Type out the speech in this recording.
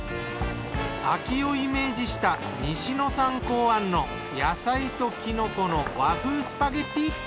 秋をイメージした西野さん考案の野菜ときのこの和風スパゲッティ。